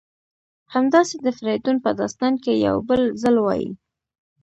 همداسې د فریدون په داستان کې یو بل ځل وایي: